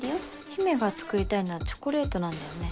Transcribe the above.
陽芽が作りたいのはチョコレートなんだよね？